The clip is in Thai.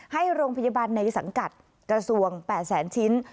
ให้โรงพยาบาลในสังกัดกระทรวง๘แสนชิ้น